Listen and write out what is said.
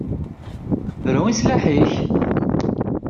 Bru i sslaḥ-ik!